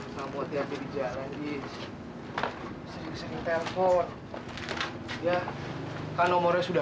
kenapa kita ohan yang entrepreneur